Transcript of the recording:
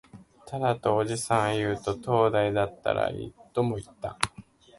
ただ、とおじさんは言うと、灯台だったらいい、とも言った